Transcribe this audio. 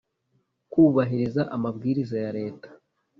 kubahiriza amabwiriza ya Leta